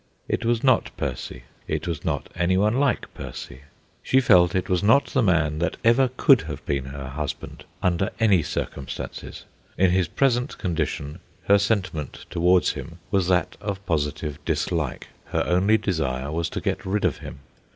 It was not Percy; it was not anyone like Percy. She felt it was not the man that ever could have been her husband, under any circumstances. In his present condition her sentiment towards him was that of positive dislike. Her only desire was to get rid of him.